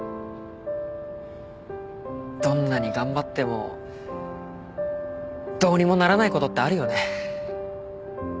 どんなに頑張ってもどうにもならないことってあるよね。